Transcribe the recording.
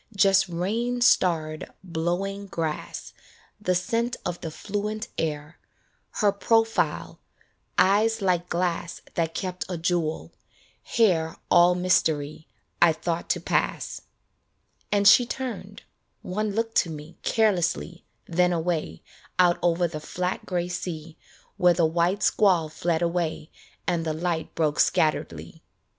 Just rain starred, blowing grass, The scent of the fluent air, Her profile eyes like glass That kept a jewel, hair All mystery I thought to pass And she turned one look to me Carelessly, then away 48 LOVE IN AGE Out over the flat gray sea Where the white squall fled away And the light broke scatteredly.